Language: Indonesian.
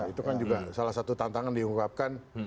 itu kan juga salah satu tantangan diungkapkan